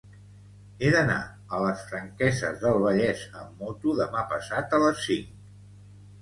He d'anar a les Franqueses del Vallès amb moto demà passat a les cinc.